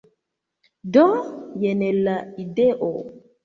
Do, jen la ideo